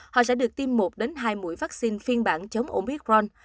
họ sẽ được tiêm một hai mũi vaccine phiên bản chống oidron